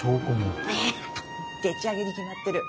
でっちあげに決まってる。